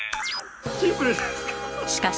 シンプルじゃないですか。